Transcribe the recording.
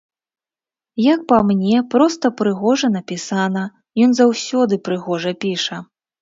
Як па мне, проста прыгожа напісана, ён заўсёды прыгожа піша.